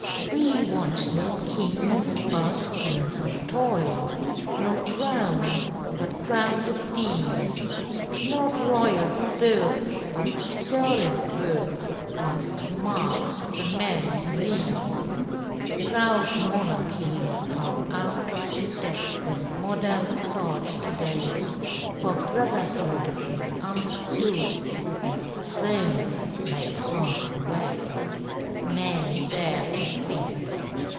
We want no kings but kings of toilŌĆö No crowns but crowns of deeds; Not royal birth but sterling worth Must mark the man who leads. Proud monarchies are out of step With modern thought to day, For Brotherhood is understood, And thrones may pass away. Men dare to think.